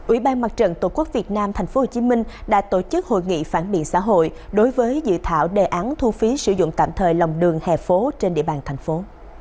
ủy ban mặt trận tổ quốc việt nam tp hcm đã tổ chức hội nghị phản biện xã hội đối với dự thảo đề án thu phí sử dụng tạm thời lòng đường hè phố trên địa bàn thành phố